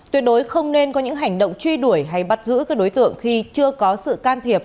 tuyệt đối không nên có những hành động truy đuổi hay bắt giữ các đối tượng khi chưa có sự can thiệp